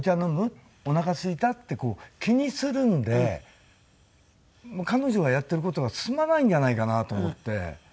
おなかすいた？」って気にするんで彼女がやってる事が進まないんじゃないかなと思って。